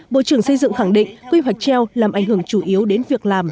bộ trưởng xây dựng khẳng định quy hoạch treo làm ảnh hưởng chủ yếu đến việc làm